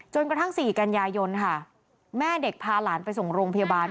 กระทั่ง๔กันยายนค่ะแม่เด็กพาหลานไปส่งโรงพยาบาล